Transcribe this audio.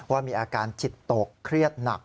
ว่ามีอาการจิตตกเครียดหนัก